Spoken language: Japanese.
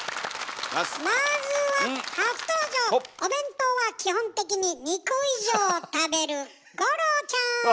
まずはお弁当は基本的に２個以上食べる五郎ちゃーん！